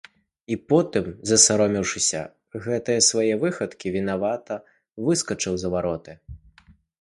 І потым, засаромеўшыся гэтае свае выхадкі, вінавата выскачыў за вароты.